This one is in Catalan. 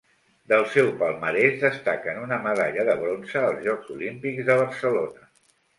Del seu palmarès destaquen una medalla de bronze als Jocs Olímpics de Barcelona.